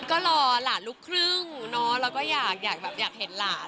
ก็รอหลานลูกครึ่งเนาะแล้วก็อยากเห็นหลาน